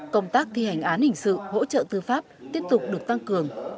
công tác thi hành án hình sự hỗ trợ tư pháp tiếp tục được tăng cường